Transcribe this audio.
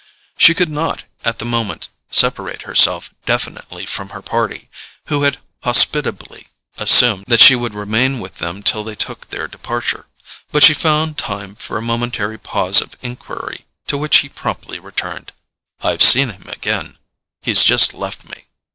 She could not, at the moment, separate herself definitely from her party, who had hospitably assumed that she would remain with them till they took their departure; but she found time for a momentary pause of enquiry, to which he promptly returned: "I've seen him again—he's just left me."